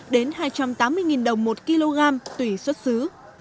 một trăm sáu mươi đến hai trăm tám mươi đồng một kg tùy xuất xứ